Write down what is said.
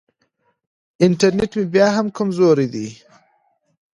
انټرنېټ مې بیا هم کمزوری دی.